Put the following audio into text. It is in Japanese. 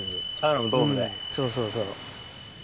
そうそうそう。